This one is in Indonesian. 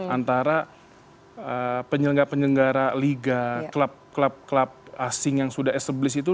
antara penyelenggara penyelenggara liga klub klub asing yang sudah established itu